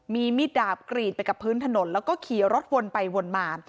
มีมิดดาบกรีดไปกับพื้นถนนแล้วก็ขี่รถวนไปวนมา